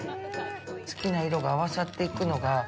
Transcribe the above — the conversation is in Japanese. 好きな色が合わさっていくのが。